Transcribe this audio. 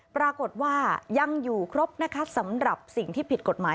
ปรากฏว่ายังอยู่ครบนะคะสำหรับสิ่งที่ผิดกฎหมาย